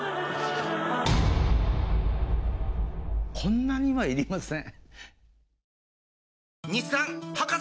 こんなにはいりません。